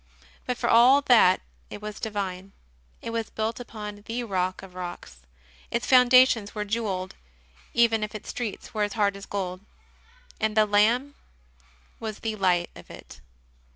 But for all that it was divine; it was built upon the Rock of rocks; its foundations were jewelled even if its streets were as hard as gold; and the Lamb was the light of it.